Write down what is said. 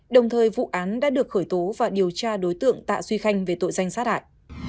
đồng thời vụ án đã được khởi tố và điều tra đối tượng tạ duy khanh về tội danh sát hại